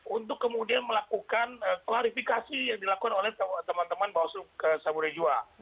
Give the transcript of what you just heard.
untuk kemudian melakukan klarifikasi yang dilakukan oleh teman teman bawaslu ke saburi jua